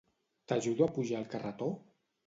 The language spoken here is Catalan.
T'ajudo a pujar el carretó?